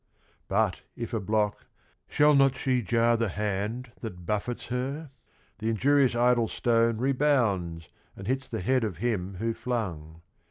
But, if a block, shall not she jar the hand That buffets her? The injurious idle stone Rebounds and hits the head of him who flung.